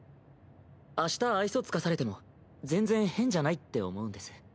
明日愛想尽かされても全然変じゃないって思うんです。